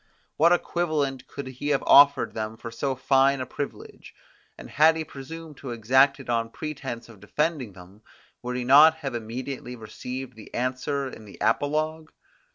What equivalent could he have offered them for so fine a privilege? And had he presumed to exact it on pretense of defending them, would he not have immediately received the answer in the apologue?